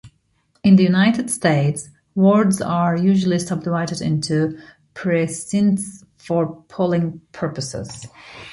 In the United States, wards are usually subdivided into precincts for polling purposes.